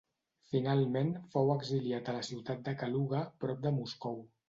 Finalment fou exiliat a la ciutat de Kaluga, prop de Moscou.